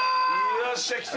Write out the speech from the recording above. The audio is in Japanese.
◆よっしゃ来た。